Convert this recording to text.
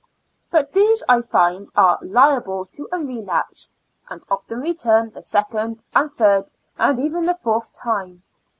But these, I find, are liable to a relapse, and often return the second, and third, and even the fourth time.